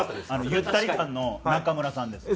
ゆったり感の中村さんです。